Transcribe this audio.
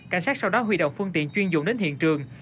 cảnh sát sau đó huy động phương tiện chuyên dụng đến hiện trường